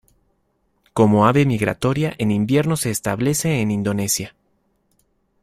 Como ave migratoria, en invierno se establece en Indonesia.